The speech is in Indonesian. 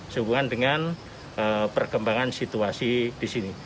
sehubungan dengan perkembangan situasi di sini